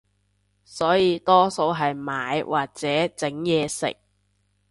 所以多數係買或者整嘢食